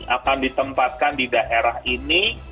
akan ditempatkan di daerah ini